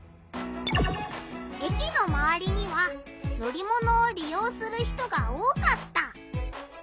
駅のまわりには乗り物をりようする人が多かった。